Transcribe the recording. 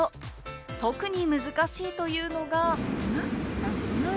特に難しいというのが。